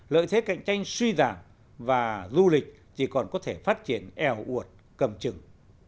lợi thế cạnh tranh suy giảm và du lịch chỉ còn có thể phát triển eo uột cầm chừng